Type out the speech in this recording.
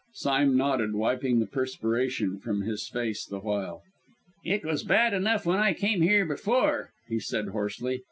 Sime nodded, wiping the perspiration from his face the while. "It was bad enough when I came here before," he said hoarsely.